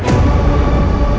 saya akan keluar